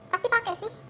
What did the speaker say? pasti pakai sih